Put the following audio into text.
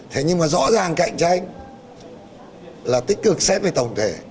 thế nhưng mà rõ ràng cạnh tranh là tích cực xét về tổng thể